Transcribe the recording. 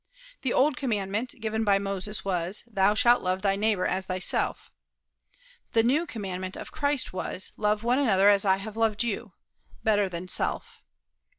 The old commandment, given by Moses, was, Thou shalt love thy neighbor as thyself; the new commandment of Christ was, Love one another as I have loved you better than self.